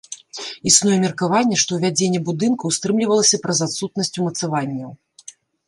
Існуе меркаванне, што ўзвядзенне будынкаў стрымлівалася праз адсутнасць умацаванняў.